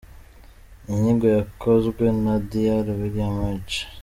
Inyigo yakozwe na Dr William H.